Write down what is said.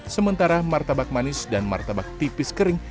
sementara martabak manis dan martabak tipis kering